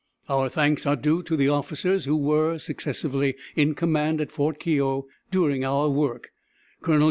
Our thanks are due to the officers who were successively in command at Fort Keogh during our work, Col.